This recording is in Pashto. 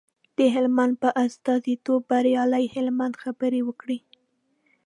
د هلمند په استازیتوب بریالي هلمند خبرې وکړې.